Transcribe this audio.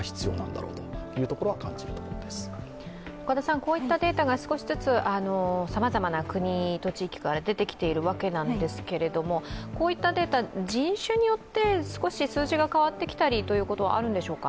こういったデータが少しずつさまざまな国と地域から出てきているわけなんですけどこういったデータ、人種によって少し数字が変わってきたりということはあるんでしょうか？